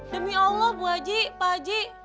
demi allah bu aji pak haji